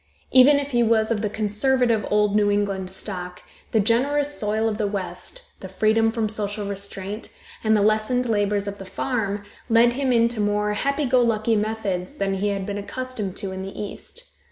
Even if he was of the conservative old New England stock, the generous soil of the West, the freedom from social restraint, and the lessened labors of the farm, led him into more happy go lucky methods than he had been accustomed to in the East.